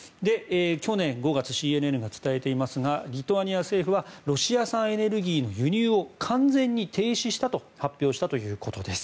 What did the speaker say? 去年５月ＣＮＮが伝えていますがリトアニア政府はロシア産エネルギーの輸入を完全に停止したと発表したということです。